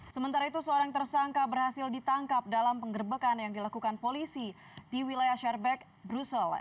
sementara itu seorang tersangka berhasil ditangkap dalam penggerbekan yang dilakukan polisi di wilayah sherbeg brussel